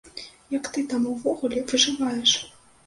Як ты там увогуле выжываеш?